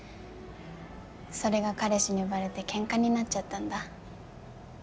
それが彼氏にバレてケンカになっちゃったんだ。